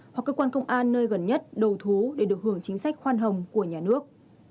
hoặc cơ quan công an nơi gần nhất đầu thú để được hưởng chính sách khoan hồng của nhà nước